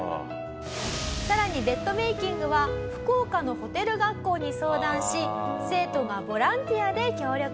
さらにベッドメイキングは福岡のホテル学校に相談し生徒がボランティアで協力。